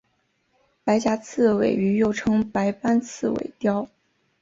白颊刺尾鱼又称白斑刺尾鲷。